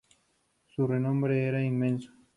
Su renombre era inmenso.